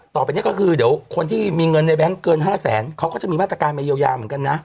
ต่อไปนี้ก็คือเดี๋ยวคนที่มีเงินในแบงค์เกิน๕แสนเขาก็จะมีมาตรการมาเยียวยาเหมือนกันนะ